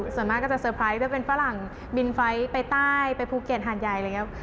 ส่วนมากก็จะเซอร์ไพรส์ถ้าเป็นฝรั่งบินไฟซ์ไปใต้ไปภูเกียร์ห่านใหญ่